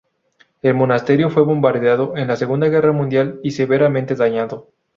El monasterio fue bombardeado en la Segunda Guerra Mundial y severamente dañado.